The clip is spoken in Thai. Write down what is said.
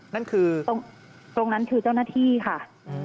นั่นคือตรงนั้นคือเจ้าหน้าที่ค่ะ